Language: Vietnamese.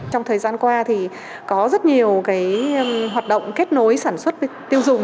trong thời gian qua thì có rất nhiều hoạt động kết nối sản xuất với tiêu dùng